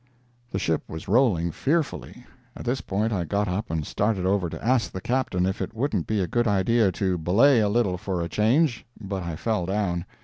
The ship was rolling fearfully. At this point I got up and started over to ask the Captain if it wouldn't be a good idea to belay a little for a change, but I fell down.